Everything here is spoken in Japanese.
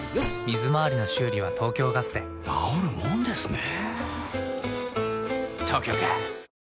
水まわりの修理は東京ガスでなおるもんですね